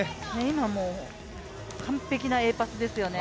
今、完璧なＡパスですよね。